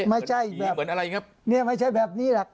ไม่ใช่แบบไม่ใช่แบบนี้ล่ะ